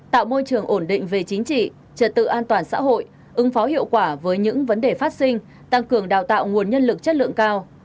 tạo môi trường ổn định về chính trị trật tự an toàn xã hội ứng phó hiệu quả với những vấn đề phát sinh tăng cường đào tạo nguồn nhân lực chất lượng cao